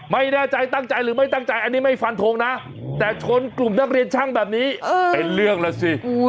ไม่แน่ใจตั้งใจหรือไม่ตั้งใจอันนี้ไม่ฟันทงนะแต่ชนกลุ่มนักเรียนช่างแบบนี้เป็นเรื่องแล้วสิ